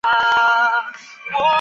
父亲陈彬是塾师。